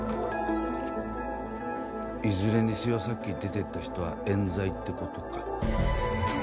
いずれにせよさっき出てった人はえん罪ってことか